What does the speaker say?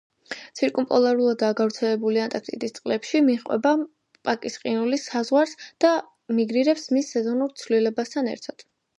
ცირკუმპოლარულადაა გავრცელებული ანტარქტიკის წყლებში; მიჰყვება პაკის ყინულის საზღვარს და მიგრირებს მის სეზონურ ცვლილებასთან ერთად.